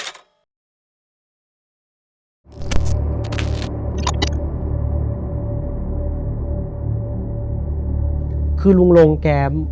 เป็นเป็นคือลุงลงแกโซม